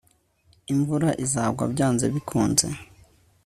imvura izagwa byanze bikunze